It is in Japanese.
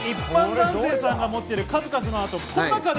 一般男性さんが持っている数々のアート。